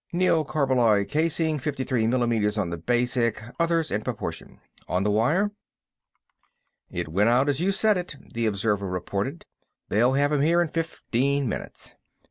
Neocarballoy casing, fifty three millimeters on the basic, others in proportion. On the wire?" "It went out as you said it," the observer reported. "They'll have 'em here in fifteen minutes."